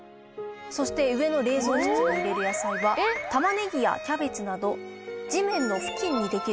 そして上の冷蔵室に入れる野菜は玉ねぎやキャベツなど地面の付近にできる野菜です。